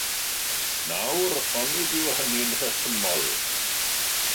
Nawr, onid yw hynny'n rhesymol?